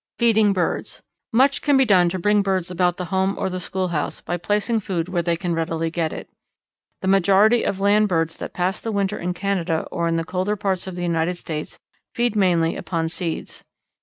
Feeding Birds. Much can be done to bring birds about the home or the schoolhouse by placing food where they can readily get it. The majority of land birds that pass the winter in Canada or in the colder parts of the United States feed mainly upon seeds.